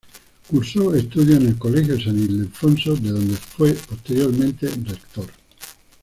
Cursó estudios en el Colegio de San Ildefonso, de donde posteriormente fue rector.